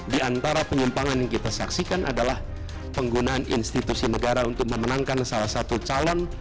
di antara penyimpangan yang kita saksikan adalah penggunaan institusi negara untuk memenangkan salah satu calon